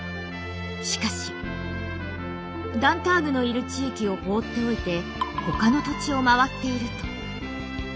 しかしダンターグのいる地域を放っておいて他の土地を回っていると。